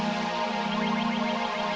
nining sama putri kan bisa saudaraan